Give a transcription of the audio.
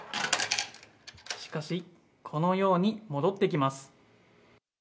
しかし、このように戻ってきます。